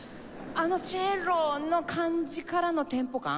あの「チェロ」の感じからのテンポ感